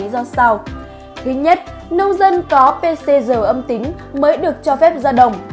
thứ nhất nông dân có pcr âm tính mới được cho phép ra đồng